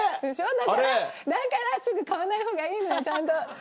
だからだからすぐ買わないほうがいいのよちゃんと。